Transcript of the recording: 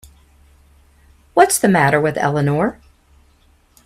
What's the matter with Eleanor?